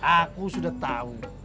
aku sudah tahu